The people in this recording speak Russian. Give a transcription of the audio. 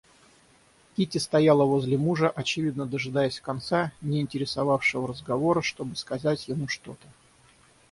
Кити стояла возле мужа, очевидно дожидаясь конца неинтересовавшего разговора, чтобы сказать ему что-то.